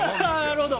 なるほど。